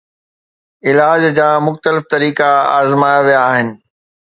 علاج جا مختلف طريقا آزمايا ويا آهن